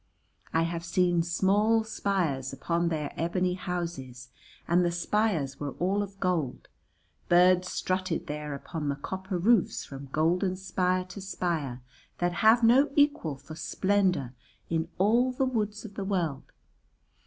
I have seen small spires upon their ebony houses and the spires were all of gold, birds strutted there upon the copper roofs from golden spire to spire that have no equal for splendour in all the woods of the world.